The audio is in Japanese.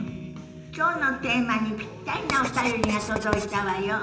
きょうのテーマにぴったりなお便りが届いたわよ。